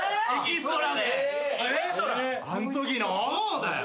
そうだよ。